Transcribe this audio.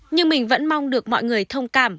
nhưng mình vẫn mong được mọi người thông cảm